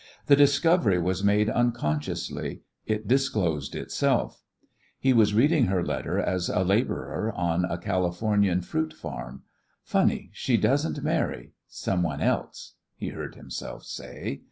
The discovery was made unconsciously it disclosed itself. He was reading her letter as a labourer on a Californian fruit farm: "Funny she doesn't marry some one else!" he heard himself say.